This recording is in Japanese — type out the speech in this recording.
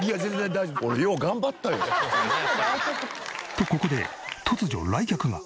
俺よう頑張ったよ。とここで突如来客が。